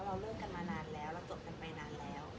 เราเลิกกันมานานแล้วเราจบกันไปนานแล้ว